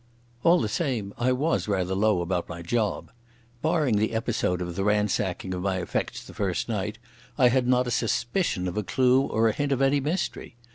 All the same I was rather low about my job. Barring the episode of the ransacking of my effects the first night, I had not a suspicion of a clue or a hint of any mystery.